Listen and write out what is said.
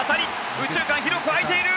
右中間、広く空いている！